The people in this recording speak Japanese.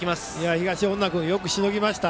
東恩納君よくしのぎました。